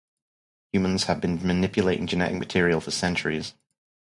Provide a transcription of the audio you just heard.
Humans have been manipulating genetic material for centuries.